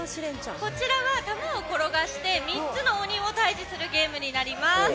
こちらは玉を転がして３つの鬼を退治するゲームになります。